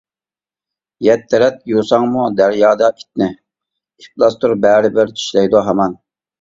يەتتە رەت يۇساڭمۇ دەريادا ئىتنى، ئىپلاستۇر بەرىبىر چىشلەيدۇ ھامان.